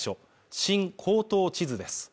「新高等地図」です